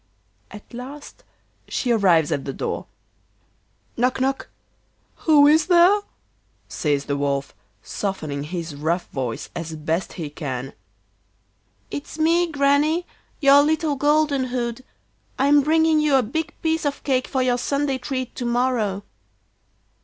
At last she arrives at the door. Knock, knock. 'Who is there?' says the Wolf, softening his rough voice as best he can. 'It's me, Granny, your little Golden hood. I'm bringing you a big piece of cake for your Sunday treat to morrow.